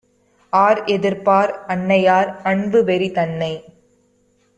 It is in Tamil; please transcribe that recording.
ஆர்எதிர்ப்பார் அன்னையார் அன்பு வெறிதன்னை!